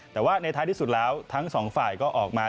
แต่ว่าในท้ายที่สุดแล้วทั้งสองฝ่ายก็ออกมา